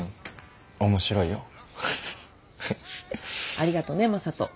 ありがとね正門。